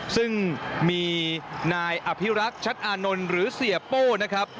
ซึ่งมีนายอภิรักษ์ชัดอานนท์หรือเสียโป้นะครับ